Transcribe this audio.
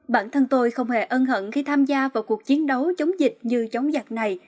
bản thân tôi không hề ân hận khi tham gia vào cuộc chiến đấu chống dịch như chống giặc này